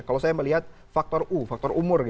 kalau saya melihat faktor u faktor umur